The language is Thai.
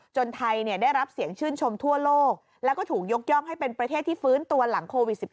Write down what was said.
ไทยได้รับเสียงชื่นชมทั่วโลกแล้วก็ถูกยกย่องให้เป็นประเทศที่ฟื้นตัวหลังโควิด๑๙